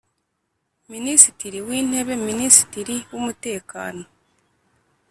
Minisitiri w intebe minisitiri w umutekano